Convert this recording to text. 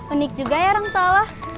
unik juga ya orang tua lo